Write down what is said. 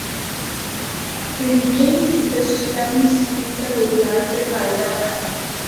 پریٹنگ systems کی سہولیات سے فائدہ اٹھائیں